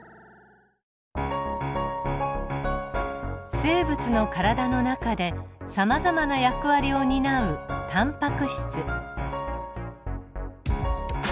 生物の体の中でさまざまな役割を担うタンパク質。